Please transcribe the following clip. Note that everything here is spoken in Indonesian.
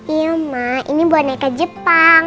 iya mak ini boneka jepang